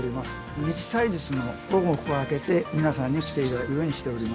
日・祭日の午後ここを開けて皆さんに来ていただけるようにしております。